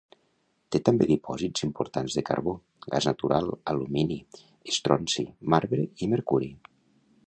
Té també dipòsits importants de carbó, gas natural, alumini, estronci, marbre i mercuri.